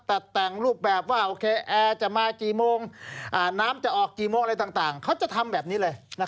ตัดแต่งรูปแบบว่าโอเคแอร์จะมากี่โมงน้ำจะออกกี่โมงอะไรต่างเขาจะทำแบบนี้เลย